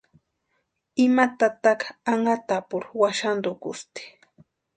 Ima tataka anhatapurhu waxantukusti.